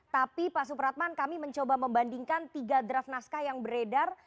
tapi pak supratman kami mencoba membandingkan tiga draft naskah yang beredar